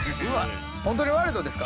本当にワイルドですか？